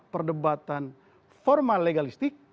perdebatan formal legalistik